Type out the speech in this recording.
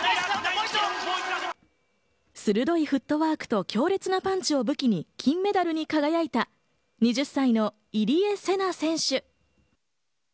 鋭いフットワークと強烈なパンチを武器に、金メダルに輝いた２０歳の入江聖奈選手。